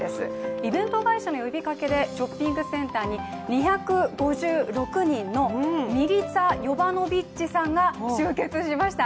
イベント会社の呼びかけでショッピングセンターに２５６人のミリツァ・ヨヴァノヴィッチさんが集結しました。